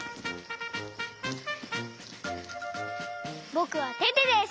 ぼくはテテです！